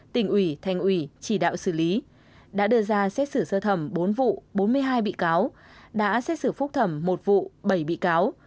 tỉnh ủy thành ủy chỉ đạo xử lý đã đưa ra xét xử sơ thẩm bốn vụ bốn mươi hai bị cáo đã xét xử phúc thẩm một vụ bảy bị cáo